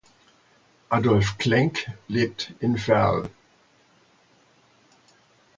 Adolf Klenk lebt in Verl.